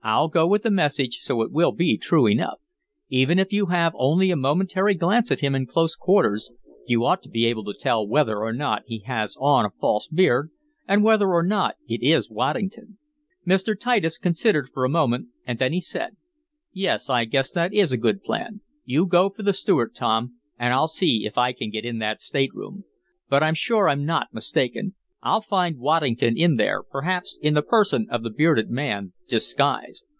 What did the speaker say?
I'll go with the message, so it will be true enough. Even if you have only a momentary glance at him in close quarters you ought to be able to tell whether or not he has on a false beard, and whether or not it is Waddington." Mr. Titus considered for a moment, and then he said: "Yes, I guess that is a good plan. You go for the steward, Tom, and I'll see if I can get in that stateroom. But I'm sure I'm not mistaken. I'll find Waddington in there, perhaps in the person of the bearded man, disguised.